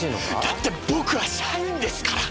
だって僕は社員ですから！